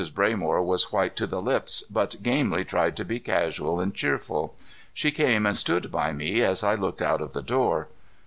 Braymore was white to the lips, but gamely tried to be casual and cheerful. She came and stood by me as I looked out of the door.